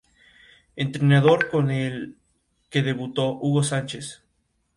Es un animal solitario y nocturno, difíciles de ver.